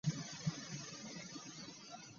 Okufuna obuyiiya n'otodda mu kutuula.